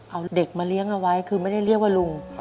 เอาเด็กมาเลี้ยงเอาไว้คือไม่ได้เรียกว่าลุง